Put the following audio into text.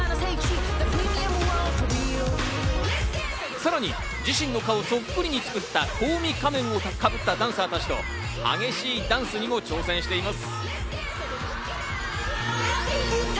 さらに自身の顔そっくりに作ったコウミ仮面をかぶったダンサーたちと激しいダンスにも挑戦しています。